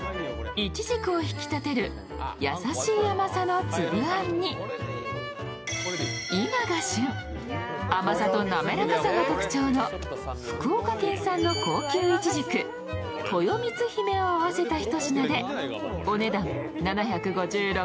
いちじくを引き立てる優しい甘さのつぶあんに、今が旬、甘さと滑らかさが特徴の福岡県産の高級いちじく、とよみつひめを合わせた一品です。